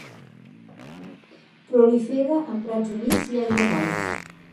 Prolifera en prats humits i aiguamolls.